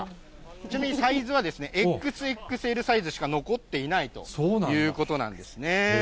ちなみにサイズはＸＸＬサイズしか残っていないということなんですね。